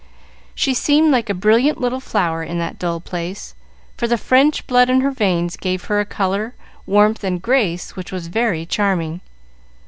She seemed like a brilliant little flower in that dull place, for the French blood in her veins gave her a color, warmth, and grace which were very charming.